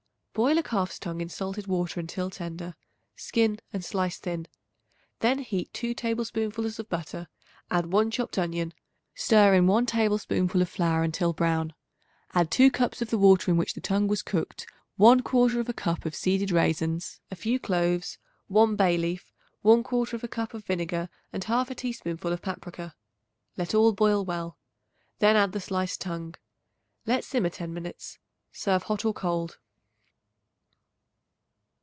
Boil a calf's tongue in salted water until tender; skin and slice thin. Then heat 2 tablespoonfuls of butter; add 1 chopped onion; stir in 1 tablespoonful of flour until brown; add 2 cups of the water in which the tongue was cooked, 1/4 cup of seeded raisins, a few cloves, 1 bay leaf, 1/4 cup of vinegar, and 1/2 teaspoonful of paprica. Let all boil well; then add the sliced tongue. Let simmer ten minutes. Serve hot or cold.